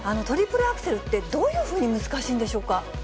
トリプルアクセルって、どういうふうに難しいんでしょうか。